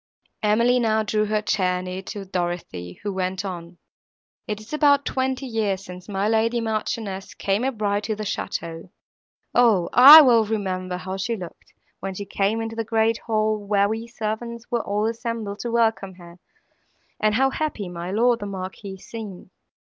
Emily now drew her chair near to Dorothée, who went on. "It is about twenty years since my lady Marchioness came a bride to the château. O! I well remember how she looked, when she came into the great hall, where we servants were all assembled to welcome her, and how happy my lord the Marquis seemed.